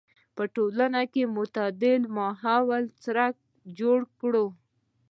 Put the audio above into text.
په ټولنه کې معتدل ماحول څرنګه جوړ کړو.